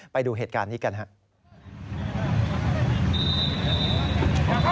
ไปดูเหตุการณ์นี้กันครับ